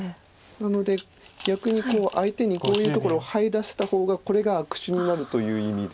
なので逆に相手にこういうところを入らせた方がこれが悪手になるという意味で。